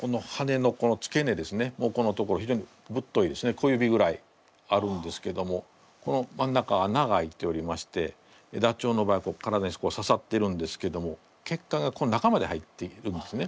小指ぐらいあるんですけどもこの真ん中あなが空いておりましてダチョウの場合こう体にささってるんですけども血管がこの中まで入っているんですね